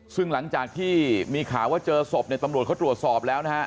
ซึ่งหลังจากที่มีข่าวว่าเจอศพเนี่ยตำรวจเขาตรวจสอบแล้วนะฮะ